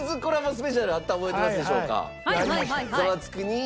スペシャルあったの覚えてますでしょうか？